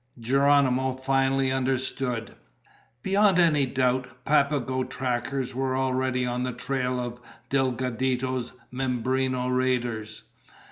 Geronimo finally understood. Beyond any doubt, Papago trackers were already on the trail of Delgadito's Mimbreno raiders.